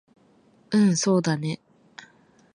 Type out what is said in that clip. うんそうだね